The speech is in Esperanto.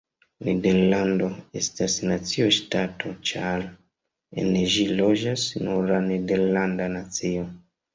Nederlando estas nacio-ŝtato ĉar en ĝi loĝas nur la nederlanda nacio.